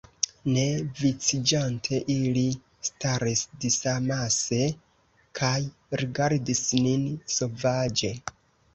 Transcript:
Ne viciĝante, ili staris disamase, kaj rigardis nin sovaĝe.